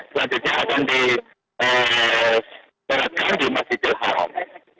selanjutnya akan disolatkan di masjidil haram